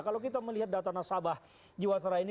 kalau kita melihat data nasabah jiwasraya ini